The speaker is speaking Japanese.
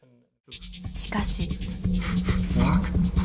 しかし。